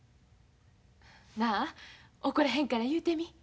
なあ怒らへんから言うてみ。